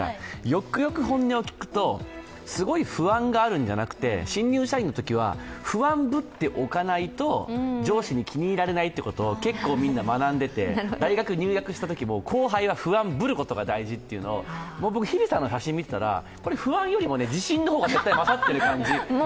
よくよく本音を聞くと、すごい不安があるんじゃなくて新入社員のときは不安ぶっておかないと上司に気に入られないということを結構みんな学んでて大学入学したときも後輩は不安ぶることが大事だと、僕日比さんの写真を見ていたらこれ、不安よりも自信の方が絶対勝ってる感じ。